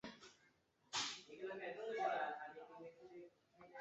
不像昔日为了讨他喜欢